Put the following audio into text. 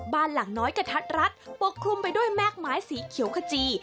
บ้านหลังน้อยกระทัดรัดปกคลุมไปด้วยแม่กไม้สีเขียวขจี